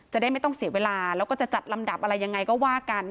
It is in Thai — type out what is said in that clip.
จะได้ไม่ต้องเสียเวลาแล้วก็จะจัดลำดับอะไรยังไงก็ว่ากัน